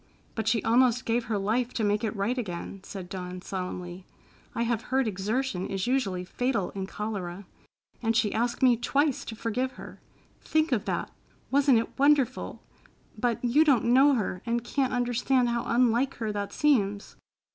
"But she almost gave her life to make it right again," said Dawn solemnly. "I have heard exertion is usually fatal in cholera. And she asked me twice to forgive her. Think of that! Wasn't it wonderful? But you don't know her and can't understand how unlike her that seems."